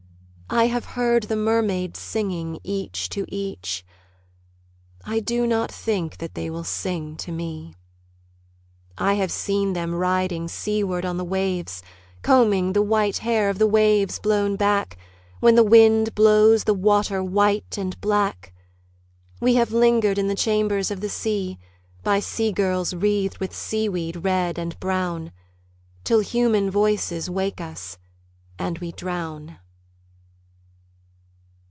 I have heard the mermaids singing, each to each. I do not think that they will sing to me. I have seen them riding seaward on the waves Combing the white hair of the waves blown back When the wind blows the water white and black. We have lingered in the chambers of the sea By sea girls wreathed with seaweed red and brown Till human voices wake us, and we drown.